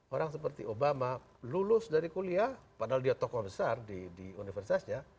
orang seperti obama lulus dari kuliah padahal dia tokoh besar di universitasnya